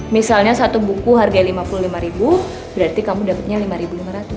misalnya satu buku harganya rp lima puluh lima berarti kamu dapatnya rp lima lima ratus